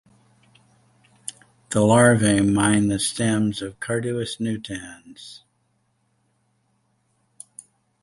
The larvae mine the stems of "Carduus nutans".